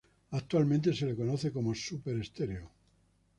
Actualmente se le conoce como Super Stereo.